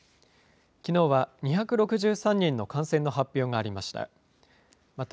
きのうは２６３人の感染の発表がありました。